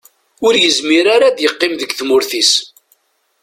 Ur yezmir ara ad yeqqim deg tmurt-is.